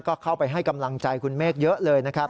ก็เข้าไปให้กำลังใจคุณเมฆเยอะเลยนะครับ